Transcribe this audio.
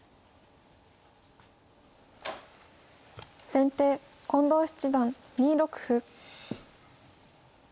先手近藤七段２六歩。